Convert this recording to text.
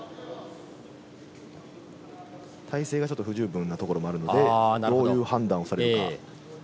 体勢がちょっと不十分なところがあるので、どういう判断をされるか？